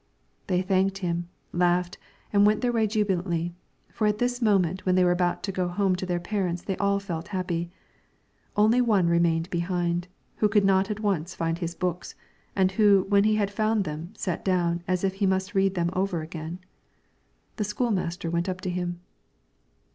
They thanked him, laughed, and went their way jubilantly, for at this moment when they were about to go home to their parents they all felt happy. Only one remained behind, who could not at once find his books, and who when he had found them sat down as if he must read them over again. The school master went up to him.